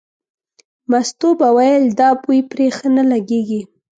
مستو به ویل دا بوی پرې ښه نه لګېږي.